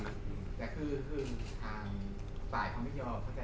จากความไม่เข้าจันทร์ของผู้ใหญ่ของพ่อกับแม่